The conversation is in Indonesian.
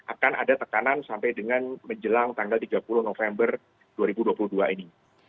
akan ada tekanan sampai dengan menjelang tanggal tiga puluh november dua ribu dua puluh dua ini